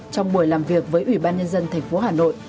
trong buổi làm việc với ủy ban nhân dân tp hà nội